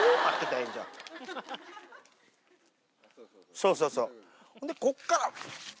そうそうそうほんでこっから。